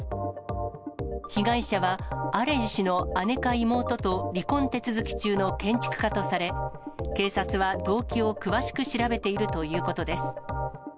被害者は、アレジ氏の姉か妹と離婚手続き中の建築家とされ、警察は動機を詳しく調べているということです。